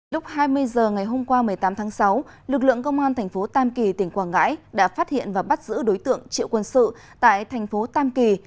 lúc hai mươi h ngày hôm qua một mươi tám tháng sáu lực lượng công an thành phố tam kỳ tỉnh quảng ngãi đã phát hiện và bắt giữ đối tượng triệu quân sự tại thành phố tam kỳ